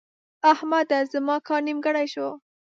احمده! زما کار نیمګړی شو.